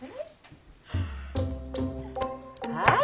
はい！